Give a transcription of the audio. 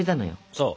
そう。